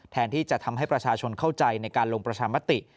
แทนที่จะทำให้ประชาชนเข้าใจในการลงประชามติ